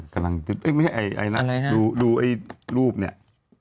กำลังไม่ใช่ดูรูปเนี่ย